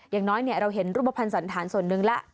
อย่างน้อยเราเห็นรูปภัณฑ์สันธารส่วนหนึ่งแล้ว